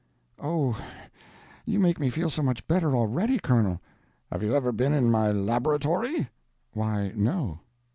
"Oh, you make me feel so much better already, Colonel!" "Have you ever been in my laboratory?" "Why, no."